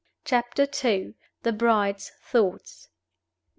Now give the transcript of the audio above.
CHAPTER II. THE BRIDE'S THOUGHTS.